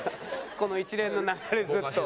この一連の流れずっと。